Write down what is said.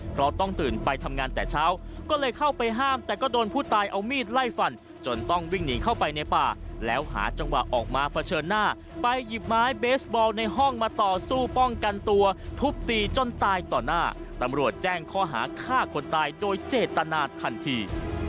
เพราะต้องตื่นไปทำงานแต่เช้าก็เลยเข้าไปห้ามแต่ก็โดนผู้ตายเอามีดไล่ฟันจนต้องวิ่งหนีเข้าไปในป่าแล้วหาจังหวะออกมาเผชิญหน้าไปหยิบไม้เบสบอลในห้องมาต่อสู้ป้องกันตัวทุบตีจนตายต่อหน้าตำรวจแจ้งข้อหาฆ่าคนตายโดยเจตนาทันที